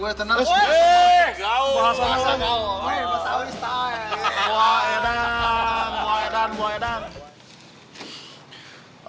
hai eh gaul gaul bahasa bahasa enak enak